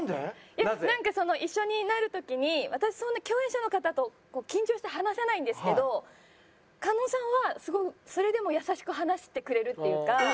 いやなんか一緒になる時に私そんな共演者の方と緊張して話さないんですけど狩野さんはそれでも優しく話してくれるっていうか。